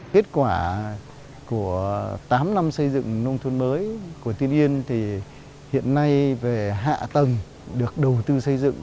kết quả của tám năm xây dựng nông thôn mới của tiên yên thì hiện nay về hạ tầng được đầu tư xây dựng